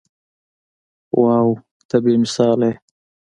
واو ته بې مثاله يې.